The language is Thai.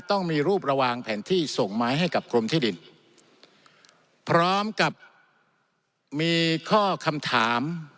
ต้องมีรูประวางแผนที่ส่งไม้ให้กับกรมที่ดินพร้อมกับมีข้อคำถาม